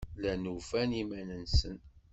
Llan ufan iman-nsen.